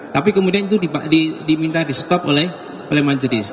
tapi kemudian itu diminta di stop oleh majelis